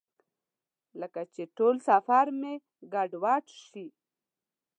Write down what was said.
لکه چې ټول سفر مې ګډوډ شي.